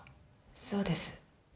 そうです。